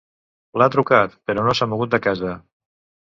L'ha trucat, però no s'ha mogut de casa.